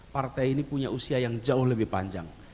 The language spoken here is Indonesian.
partai ini punya usia yang jauh lebih panjang